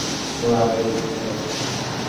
Norah, আমাদের যেতে হবে!